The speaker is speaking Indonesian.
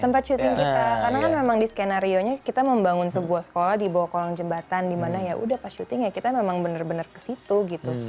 tempat syuting kita karena kan memang di skenario nya kita membangun sebuah sekolah di bawah kolong jembatan dimana ya udah pas syuting ya kita memang benar benar ke situ gitu